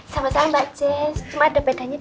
sama sama mbak jess cuma ada bedanya tuh